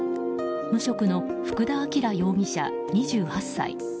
無職の福田彰容疑者、２８歳。